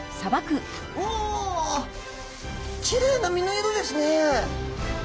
おおきれいな身の色ですね。